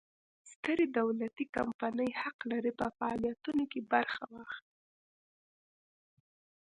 سترې دولتي کمپنۍ حق لري په فعالیتونو کې برخه واخلي.